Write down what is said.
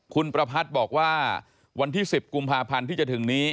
คุณประพัทธ์บอกว่าวันที่๑๐กุมภาพันธ์ที่จะถึงนี้